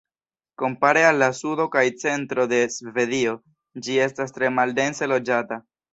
Kompare al la sudo kaj centro de Svedio, ĝi estas tre maldense loĝata.